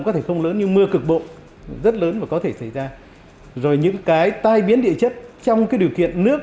có thể không lớn như mưa cực bộ rất lớn và có thể xảy ra rồi những cái tai biến địa chất trong cái điều kiện nước